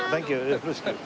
よろしく。